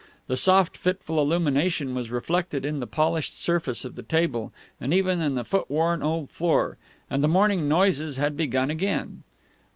The soft fitful illumination was reflected in the polished surface of the table and even in the footworn old floor; and the morning noises had begun again.